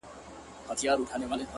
o مه راته وايه چي د کار خبري ډي ښې دي ـ